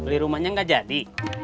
beli rumahnya gak jadi